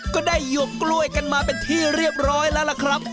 ก็ได้หยวกกล้วยกันมาเป็นที่เรียบร้อยแล้วล่ะครับ